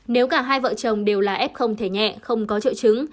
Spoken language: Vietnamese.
nếu cả hai vợ chồng đều là f thể nhẹ không có trợ chứng